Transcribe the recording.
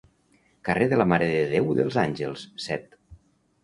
Carrer de la Mare de Déu dels Àngels, set.